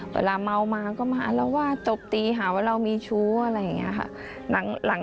เวลาเมามาก็มาอารวาสตบตีหาว่าเรามีชู้อะไรอย่างนี้ค่ะ